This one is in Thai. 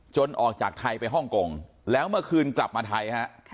ออกจากไทยไปฮ่องกงแล้วเมื่อคืนกลับมาไทยฮะ